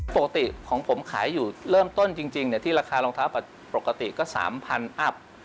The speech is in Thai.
ปกติของผมขายอยู่เริ่มต้นจริงที่ราคารองเท้าปกติก็๓๐๐อัพ